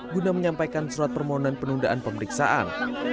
guna menyampaikan surat permohonan penundaan pemeriksaan